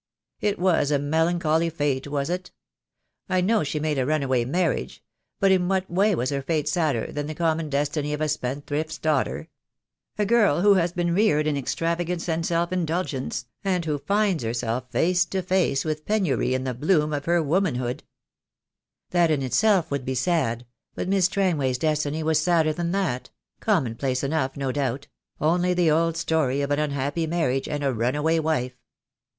"It was a melancholy fate, was it? I know she made a runaway marriage; but in what way was her fate sadder than the common destiny of a spendthrift's daughter — a girl who has been reared in extravagance and self in dulgence, and who finds herself face to face with penury in the bloom of her womanhood?" The Day will come, II. 8 I I 4 THE DAY WILL COME. "That in itself would be sad, but Miss Strangway's destiny was sadder than that — commonplace enough, no doubt — only the old story of an unhappy marriage and a runaway wife."